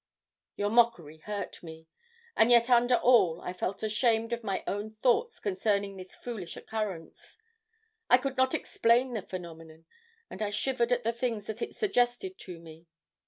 Your mockery hurt me, and yet under all I felt ashamed of my own thoughts concerning this foolish occurrence. I could not explain the phenomenon, and I shivered at the things that it suggested to me.